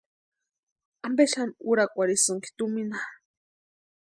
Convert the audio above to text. ¿Ampe xani úrakwarhisïnki tumina?